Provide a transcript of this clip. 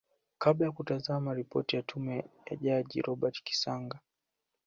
kabla ya kuzama Ripoti ya Tume ya Jaji Robert Kisanga